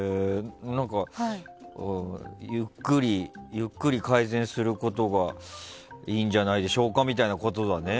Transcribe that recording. ゆっくり改善することがいいんじゃないでしょうかみたいなことだね。